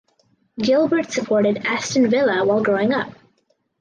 Gilbert supported Aston Villa while growing up.